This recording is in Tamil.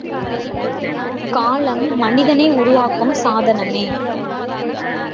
காலம் மனிதனை உருவாக்கும் சாதனமே.